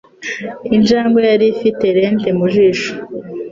Injangwe yari ifite lente mu ijosi.